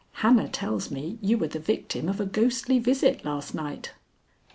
Hannah tells me you were the victim of a ghostly visit last night."